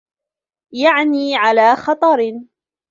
يَعْنِي عَلَى خَطَرٍ